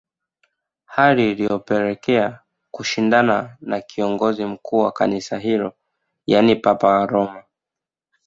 Hali iliyopelekea kushindana na kiongozi mkuu wa kanisa hilo yani papa wa Roma